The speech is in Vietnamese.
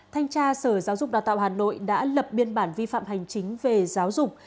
thanh tra sở giáo dục đào tạo hà nội đã lập biên bản vi phạm hành chính về giáo dục